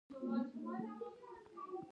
آیا اټن د پښتنو ملي او حماسي نڅا نه ده؟